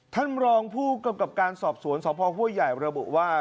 ท่านรองผู้กำกับการสอบสวนสพห้วยใหญ่ระบุว่า